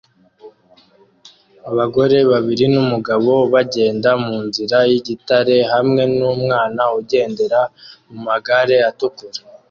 Abagore babiri numugabo bagenda munzira yigitare hamwe numwana ugendera mumagare atukura